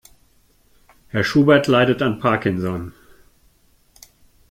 Herr Schubert leidet an Parkinson.